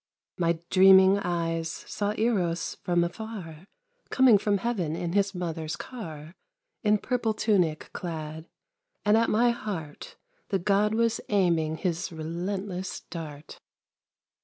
My dreaming eyes saw Eros from afar Coming from heaven in his mother's car, In purple tunic clad; and at my heart The God was aiming his relentless dart.